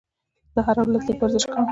زه هره ورځ لږ ورزش کوم.